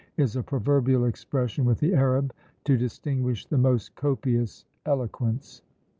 is a proverbial expression with the Arab to distinguish the most copious eloquence.